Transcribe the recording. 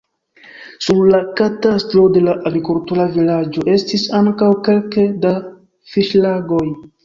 Sur la katastro de la agrikultura vilaĝo estis ankaŭ kelke da fiŝlagoj.